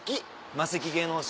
マセキ芸能社。